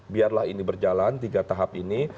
biarlah ini berjalan tiga tahap ini